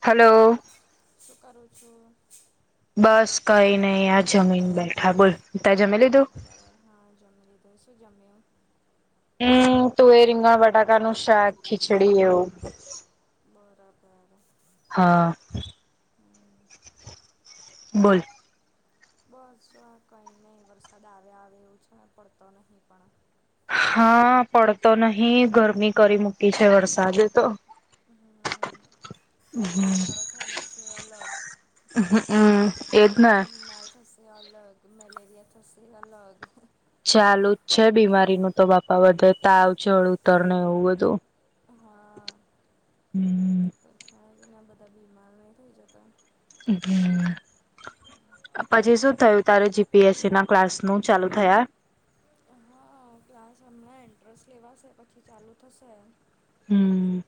Hello. શું કરો છો? બસ કઈ નઈ આ જમીને બેઠા બોલ, તે જમી લીધું? બરાબર હા જમી લીધું, શું જમ્યો? હમ તુંએર રીંગણ બટાકાનું શાક ખીચડી એવું. બરાબર. હા, હમ બોલ. બસ કઈ નઈ વરસાદ આવે આવે એવું છે પડતો નહીં પણ. હા પડતો નહીં ગરમી કરી મૂકી છે વરસાદે તો. હ, રોગચાળો ફેલાશે એ અલગ. [unintelligible] મારે તો અલગ મલેરિયા થશે એ અલગ. ચાલુ જ છે બીમારીનું તો બાપા બધે તાવ ચડવું એવું બધું. હા, હમ ને બધા બીમાર ને આવા થઈ જતા. હમ. પછી શું થયું તારે જી પી એસ સીના ક્લાસનું ચાલુ થયા? હા ક્લાસ અમણાં એન્ટ્રન્સ લેવાશે પછી ચાલુ થશે. હમ,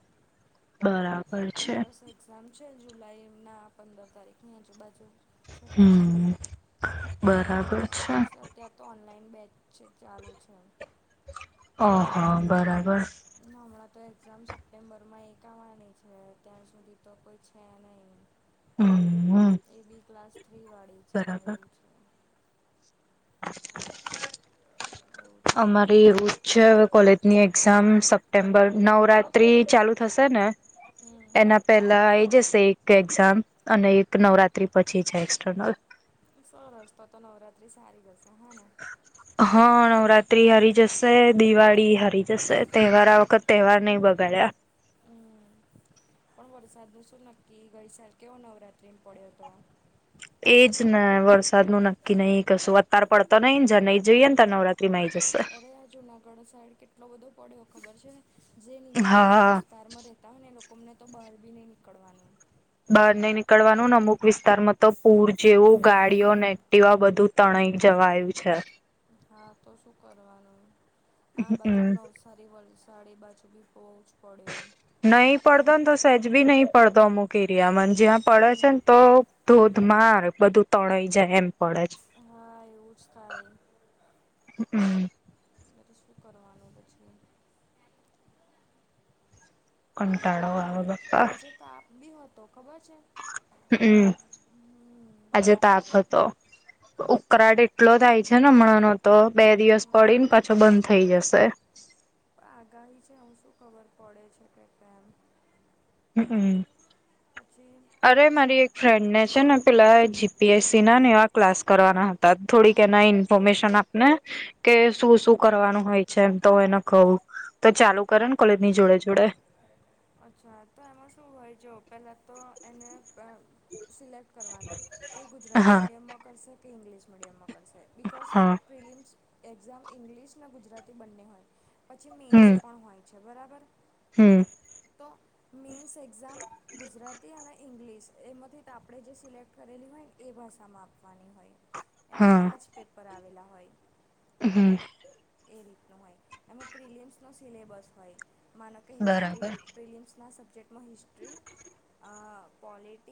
બરાબર છે. એન્ટ્રન્સ એક્ઝામ છે જુલાઈના પંદર તારીખની આજુબાજુ. છે હમ, બરાબર છે. ત્યાં તો ઓનલાઈન બેચ ચાલુ છે. ઓહ બરાબર. અને અમણાં તો એક્ઝામ સપ્ટેમ્બરમાં એક આવવાની છે ત્યાં સુધી તો કોઈ છે નઈ. હમ એ બી ક્લાસ થ્રી વાળી છે બરાબર એવું છે. એવું છે અમારે એવું છે અવે કોલેજની એક્ઝામ સપ્ટેમ્બર નવરાત્રી ચાલુ થશે ને. હમ એના પેલા આવી જશે. એક્ઝામ, અને એક નવરાત્રી પછી છે એક્સટરનલ. સરસ તો તો નવરાત્રી સારી જશે હને? હા નવરાત્રી આવી જશે દિવાળી આવી જશે તહેવારો આ વખત તહેવાર નઈ બગડ હે. હમ પણ વરસાદનું શું નક્કી ગઈ સાલ કેવો નવરાત્રીમાં પડ્યો હતો. એજ ને વરસાદનું નક્કી નહીં કશું અત્યારે પડતો નહીં જઈએ ને તો નવરાત્રીમાં આવી જશે. આ જુનાગઢ સાઈડ કેટલો બધો પડ્યો ખબર છે, જે નીચાણ વાળા હા વિસ્તાર વિસ્તારમાં રહેતા હોય ને લોકો અમને તો બારબી નઈ નીકળવાનું હોય. બાર નઈ નીકળવાનું અને અમુક વિસ્તારમાં તો પૂર જેવું ગાડીઓ હમ નેક્ટવા બધું. તણાય જવાય એવું છે. હા તો શું કરવાનું? આ બાજુ નવ હમ સારી વલસાડ એ બાજુ બી બોઉ જ પડ્યો. નહીં પડતો ને તો સેજ બી નહી પડતો અમુક એરિયામાંને જ્યાં પડે હમ છે ને તો. ધોધમાર બધું તણાઈ જાય એમ. પડે છે હા એવું જ કાય. હમ. બ તો શું કરવાનું બછું. કંટાળો આવે પણ બા્પા. આજે તાપ બી હો તો ખબર છે? હમ, હમ આજે તાપ હતો. ઉકળાટ એટલો થાય છે ને હમણાંનો તો બે દિવસ હા પડીને પાછો બંધ થઈ જશે. આગાહી છે હું શું ખબર પડે છે કે કેમ. હમમ. જે અરે મારી એક ફ્રેન્ડને છે ને પેલા જી પી એસ સી ના ને એવા ક્લાસ કરવાના હતા. તત થોડી હા કેના ઇન્ફોર્મેશન આપ ને કે શું શું કરવાનું હોય છે એમ તો એને કવું. તો ચાલુ કરે ને કોલેજ ની જોડે જોડે. અચ્છા તો એમાં શું હોય જો પેલા તો એને સિલેક્ટ કરવાનું, કે ગુજરાતી હા મીડિયમમાં કરશે કે ઇંગ્લિશ મીડિયમમાં કરશે. બિકઝ હા પ્રિલિમ્સ એક્ઝામ ઇંગ્લિશ ને ગુજરાતી બંને હોય. પછી મેન્સ હમ પણ હોય છે બરાબર. હમ. તો મેઇન્સ એક્ઝામ ગુજરાતી અને ઇંગ્લિશ એમાંથી આપણે જે સિલેક્ટ કરેલી હોય ને એ ભાષામાં આપવાની હોય. એના હા પાંચ પેપર આવેલા હોય. હમ. એ રીતનું હોય, એમાં પ્રિલિયમ્સ નો સિલેબસ હોય માનો કે હિસ્ટ્રી. બરાબર વિલિયમ્સના સબ્જેક્ટમાં, હિસ્ટ્રી, પોલટ.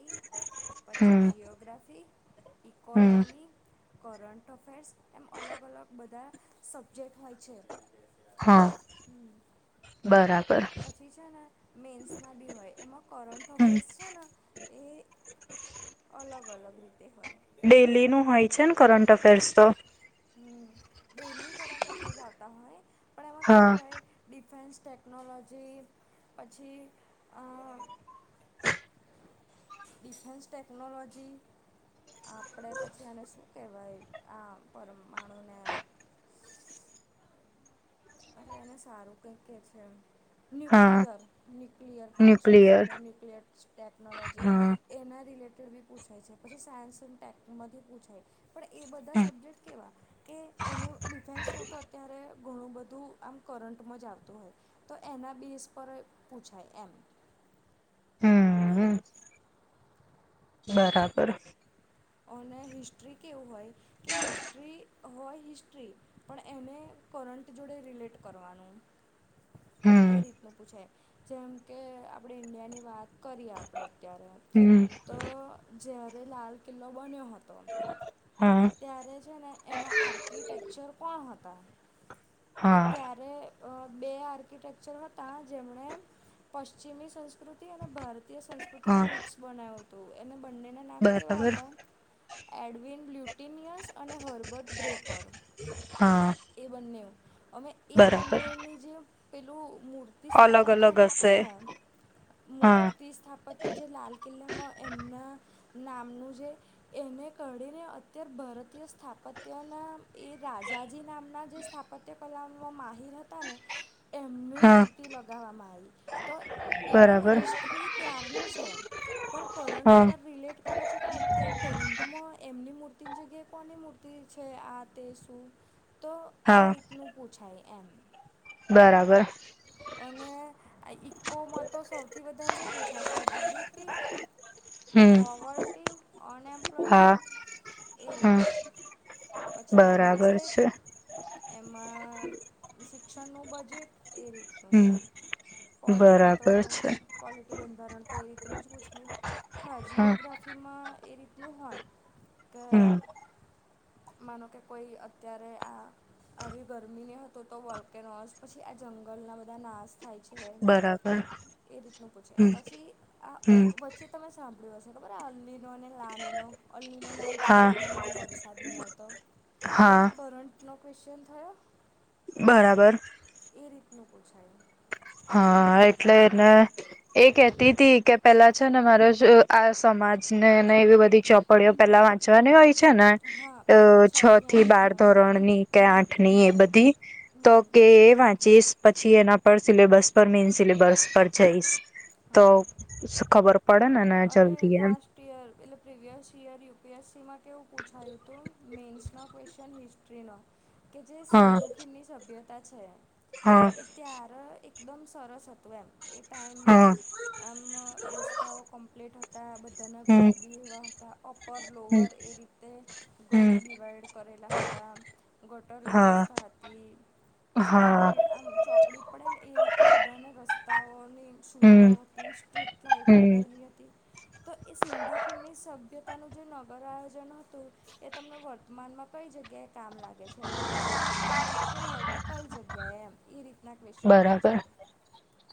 પછી હમ જીઓગ્રાફી, હમ ઈકોનોમી. કરંટ અફેર્સ એમ અલગ અલગ બધા સબ્જેક્ટ હોય છે. હા, હમ. બરાબર. પછી છે ને મેન્સના બી હોય એમાં કરંટ હમ અફેર્સ છે, ને એ અલગ અલગ રીતે હોય. ડેલીનું હોય છે ને કરંટ અફેર્સ તો હમ ડેલી કરં ડોકરસ આવતા હોય પણ એમાં હા કેવું હોય. ડિફેન્સ ટેકનોલોજી પછી ડિફેન્સ ટેકનોલોજી, આપણે પછી અનેને શું. ઓ કેવાાઈ આ પર માણુને અરે એને સારું કંઈક કહે છે એમ. હા nuclear nuclear power station nuclear ને ન્યુક્લિયર ટેક્નોલોજી. હા એના રિલેટેડ બી પૂછાય છે પછી સાયન્સ અનેડ ટેકમાંથી પૂછાય. પણ એ બધા સબ્જેક્ટ કેવા, કે એનું ડિફેન્સ તો તો અત્યારે ઘણું બધું બધું આમ કરંટમાં જ આવતું હોય, તો એના બેસ પર પૂછાય એમ. હમ. બરાબર. અને હિસ્ટ્રી કેવું હોય કે હિસ્ટ્રી હોય હિસ્ટ્રી પણ એને કરંટ જોડે રિલેટ કરવાનું. હમ એ રીતનું પૂછાય, જેમ કે આપણે ઈન્ડિયાની વાત કરીએ આપણે, અત્યારે હમ તો જ્યારે લાલ કિલ્લો બન્યો હતો. હા. ત્યારે છે ને એના આર્કિટેક્ચર કોણ હતા, એ હા ત્યારે અ બે આર્કિટેક્ચર હતા જેમણે પશ્ચિમી સંસ્કૃતિ અને ભારતીય સંસ્કૃ તો હા તેમાં મિક્સ બનાવ્યો હતો એને બંનેના નામ કેવા બરાબર હતા, એડવિન બ્લુ ટિનિયસ અને હર્બટ બ્રેકર, હા એ બંનેઓ અમે એ બરાબર બંનેની જે પહેલું મૂળ મૂતિ અલગ સ્થાપત્ય અલગ હશે હોતું ને, હા મૂતિ ફતતે જે લાલ કિલ્લામાં એમના નામનું જે એને [unintelligible] અત્યારે ભારતીય સ્થાપત્યના એ રાજાજી નામના જે સ્થાપત્ય કલામો માહિર હતા. તાને, એમની હા મૂર્તિ લગાવવામાં આવી. તો પેલું બરાબર હિસ્ટ્રી ત્યારનું છે. પણ હા કરંટતા રિલેટ કરે છે. અત્યારે કરંટમાં એમની મૂર્તિની જગ્યાએ કોની મૂર્તિ છે આ તે શું. તો આ હા રીતનું પૂછાય એમ. બરાબર. અને આ ઇકોમાં તો સૌથી વધારે શું પૂછાશે? જી. ડી. પી. હમ પવાર્ટી હા અનએમ્પ્લોયમેન્ટ એ હમ રીતનુ પછી આ બરાબર બજેટ છે એમાં શિક્ષણનું બજેટ એ રીતનું હમ થાય. ક્વોલિટી બરાબર તો છે ક્વોલિટી બંધારણ તો એ રીતનું જ પૂછાય. હા, જીઓગ્રાફી માં એ રીતનું હોય કે. હમ માનો કે કોઈ અત્યારે આ આવી ગરમી ને હતું, તો વોલ્કેનોસ પછી આ જંગલના બધા બધા નાશ થાય છે, બરાબર એ રીતનું પૂછે હમ પછી આ હમ વચ્ચે તમે સાંભળ્યું હશે ખબર. અને લાનીનો અલ્લીનો ના હા ઇફેક્ટના લીધે વરસાદ નહીં આવતો તો, એ હા કરણ [unintelligible] બરાબર. એ રીતનું પૂછાય. હા, એટલે એને એ કેહેતી તી કે પેલા છે ને, મારો આ સમાજને ને, એવી બધી ચોપ પડિયો પેલા વાંચવા ની હોય. છે ને, હા અ પહેલાં છ છથી થી બાર આઠનું ધોરણ ની કે, આઠ ની એ હમ બધી તો કે હમ એ વાંચીસ પછી એના પર સિલેબસ પર મેન સિલેબસ પર જઈશ. તો હા ખબર પડેને, અરે જલ્દી એમ. લાસ્ટ એટલે previous year U. P. S. C માં કેવું પૂછાયું હતું, મેન્સો ક્વેશ્ચન હિસ્ટ કે જે હા સિંધુકીની સભ્યતા છે. હા. એ ત્યારે એકદમ સરસ હતું, એમ એ ટાઈમ હા આમ રસ્તાઓ કમ્પ્લીટ હતા, બધાના ઘર હમ બી એવા હતા, અપ અપર હમ લોવર એ રીતે ઘર હમ ડિવાઈડ કરેલા હતા. ગટર હા વ્યવસ્થા હતી. પછી હા ગ્રીડ આમ ચોકડી પડે ને, એ રીતે બધાને રસ્તાઓની હમ સુવિધા હતી, સ્ટ્રીટ લાઇટ હમ લગાયેલી હતી. તો એ સિંધુ સભ્યતાનું જે નગર આયોજન હતું. એ તમને વર્તમાનમાં કઈ જગ્યાએ કામ લાગે છે, અને જો આા કામ લાગતું હોય તો, કઈ જગ્યાએ એમ? એ રીતના ક્વેશ્ચન બરાબર પૂછાય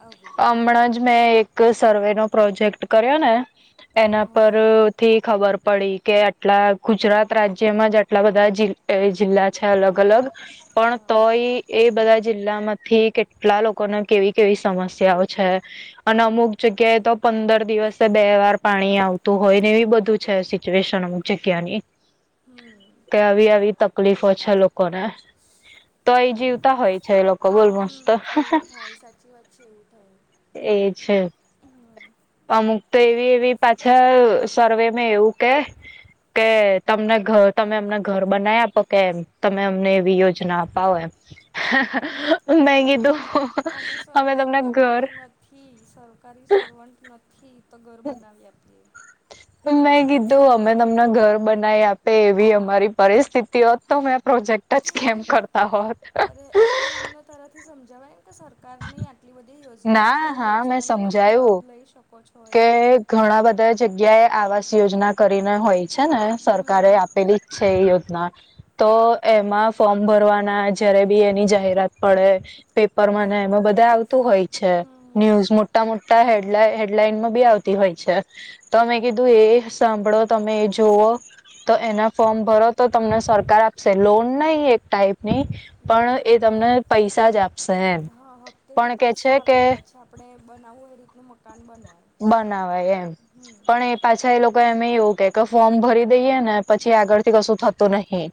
આવી રીતે. હમણાં જ મેં એક સર્વે નો પ્રોજેક્ટ કર્યો ને, એના પર. હા થી ખબર પડી કે, આટલા ગુજરાત રાજ્યમાં જ આટલા બધા જિલ્લા જિલ્લા છે, અલગ-અલગ પણ હા તોય એ બધા જિલ્લામાંથી કેટલા લોકોને કેવી કેવી સમસ્યાઓ છે? અને અમુક જગ્યાએ તો પંદર દિવસે બે વાર પાણી આવતું હોય ને, એવી બધું છે સિચ્યુએશન. જગ્યાની કે આવી આવી ત. તકલીફો છે, લોકોને તો એ જીવતા હોય છે, એ લોકો બોલ હમ એવું થાય, સાચી વાત છે, એવું થાય. એ છે. અમુક તો એવી એવી પાછા સર્વે મે એવું કે કે તમને તમે અમને ઘર બનાવી આપો કે, તમે અમને એવી યોજના અપાવો એમ. મે હા કીધું અમે તમને ઘર થી સરકારી સર્વન્ટ નથી તો ઘર બનાવી આપીએ. મેં કીધું અમે તમને ઘર બનાવી આપી એવી અમારી પરિસ્થિતિ હોત તો મેં પ્રોજેક્ટ ટચ કેમ કરતા હોત. તારાથી સમજાવવાય એમ કે સરકારની આ આટલી બધી યોજનાઓ છે ના એ હા મેં યોજનાનો તમે સમજાયું લાભ લઈ શકો છો એ કે રીતે. ઘણા બધા જગ્યાએ આવાસ યોજના કરીને હોય છે ને સરકારે હમ આપેલી જ છે એ યોજના. તો એમાં ફોર્મ ભરવાના જયારે ભી એની જાહેરાત પડે. પેપરમાં હમ એમાં બધે આવતું હોય છે, હમ ન્યૂઝ મોટા મોટા હેડલા હેડલાઈનમાં ભી આવતી હોય છે. તમે હમ કીધું એ સાંભળો તમે એ જોવો. તો એના ફોર્મ ભરો તો તમને સરકાર આપશે લોન નહી એક ટાઈપની. હમ પણ એ તમને પૈસા જ આપે હા હપ્તે થી પૈસા આવે પછી આપણે બનાવવું એ રીતનું મકાન બને. બનાવાય એમ, હમ પણ એ પાછા એ લોકો એમેય એવું કે કે ફોર્મ ભરી દઈએ ને પછી આગળ થી કશું થતું નહી.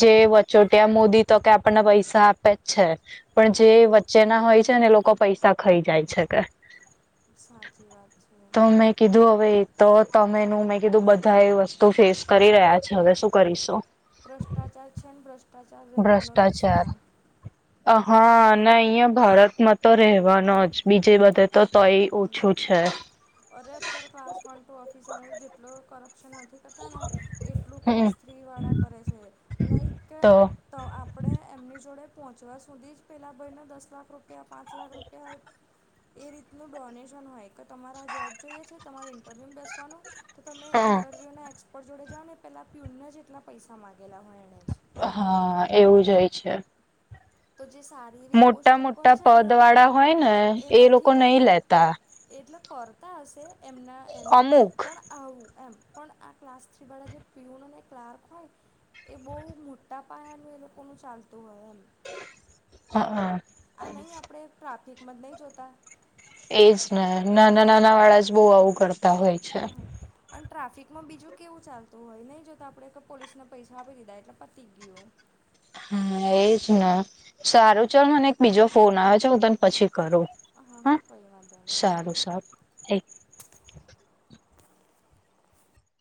જે વચોટિયા મોદી તો કે આપણને પૈસા આપે જ છે. પણ જે હમ વચ્ચે ના હોય છે ને એ લોકો પૈસા ખાઈ જાય છે કે. સાચી વાત છે. તોમે કીધું હવે એ તો તમેનું મેં કીધું બધા એ વસ્તુ ફેસ કરી રહ્યા છે હવે શું કરીશો. ભ્રષ્ટાચાર છે ન ભ્રષ્ટાચાર રહેવાનો ભ્રષ્ટાચાર દેશમાં. હા અને અહિયાં ભારતમાં તો રહેવાનો જ બીજે બધે તો તોય છું હમ છે. અરે અત્યારે ક્લાસ વન ટુ ઓફિસ જેટલો કરપ્શન નથી. કરતા ને, એટલું હમ ક્લાસ થ્રી વાળા કરે છે, લાઈક કે તો આપણે એમની જોડે પહોંચવા સુધી જ પહેલાં ભાઈને દસ લાખ રૂપિયા પાંચ લાખ રૂપિયા એ રીતનું ડોનેશન હોય કે તમારા જોબ જોઈએ છે તમારે ઇન્ટરવ્યુ બેસવાનું. તો તમે હ ઇન્ટરવ્યૂના એક્સપર્ટ જોડે જાઓ ને પહેલાં પ્યુને જ એટલા પૈસા માગેલા હોય એણે જ. હા એવું જ હોય છે. તો જે સારી એવી પોસ્ટ મોટા ઉપર મોટા છે ને, પદ વાળા હોય ને એ લોકો નથી નહી કરતા. લેતા એટલે કરતા હશે એમના એનું, અમુક પણ આવું એમ પણ આ ક્લાસ થી વાળા જે પ્યુન અને ક્લાર્ક હોય. એ બહુ મોટા પાયાનું એ લોકોનું ચાલતું હોય એમ. હા. આ નહી આપણે ટ્રાફિકમાં જ નહી જોતા? એજ ને નાના નાના વાળા જ બહુ આવું કરતા હોય છે. પણ ટ્રાફિક માં બીજું કેવું ચાલતું હોય નહી જો તો આપડે પોલીસને પૈસા આપી દીધા એટલે પતી ગયું. હા એજ ને, સારું ચાલ મને એક બીજો તો ફોન આવે છે હું તને પછી કરું. હા કંઈ વાંધો નહીં સારું સારું, એક